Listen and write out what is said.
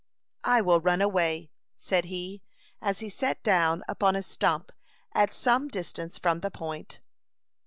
"I will run away!" said he, as he sat down upon a stump at some distance from the Point.